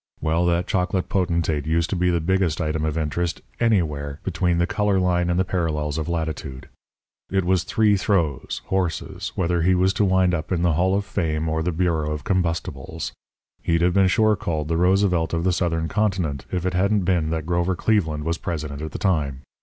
Well, that chocolate potentate used to be the biggest item of interest anywhere between the colour line and the parallels of latitude. It was three throws, horses, whether he was to wind up in the Hall of Fame or the Bureau of Combustibles. He'd have been sure called the Roosevelt of the Southern Continent if it hadn't been that Grover Cleveland was President at the time.